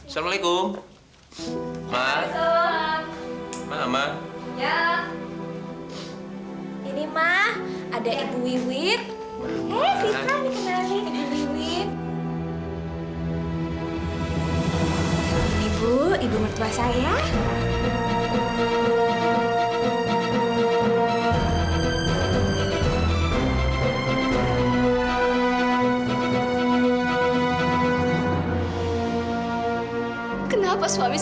saya orang yang batas waktu